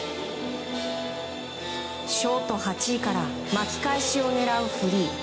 ショート８位から巻き返しを狙うフリー。